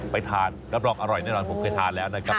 ไปทานรับรองอร่อยแน่นอนผมเคยทานแล้วนะครับ